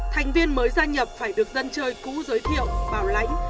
thành viên mới gia nhập phải được dân chơi cũ giới thiệu bảo lãnh